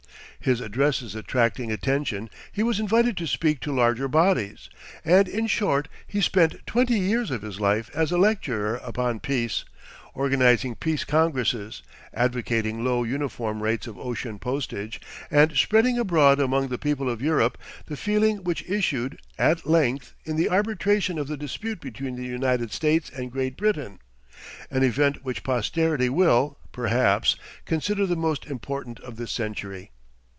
His addresses attracting attention, he was invited to speak to larger bodies, and, in short, he spent twenty years of his life as a lecturer upon peace, organizing Peace Congresses, advocating low uniform rates of ocean postage, and spreading abroad among the people of Europe the feeling which issued, at length, in the arbitration of the dispute between the United States and Great Britain; an event which posterity will, perhaps, consider the most important of this century.